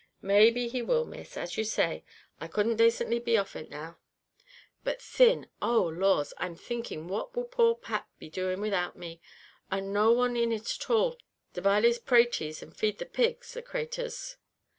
"Maybe he will, Miss; and as you say, I couldn't dacently be off it now. But thin oh laws! I'm thinking what will poor Pat be doing without me, and no one in it at all to bile the pratees and feed the pigs the craturs!"